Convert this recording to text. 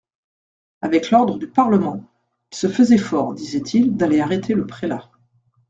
Avec l'ordre du Parlement, il se faisait fort, disait-il, d'aller arrêter le prélat.